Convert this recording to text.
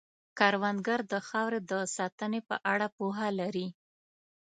کروندګر د خاورې د ساتنې په اړه پوهه لري